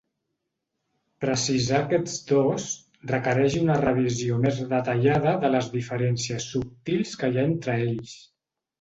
Precisar aquests dos requereix una revisió més detallada de les diferències subtils que hi ha entre ells.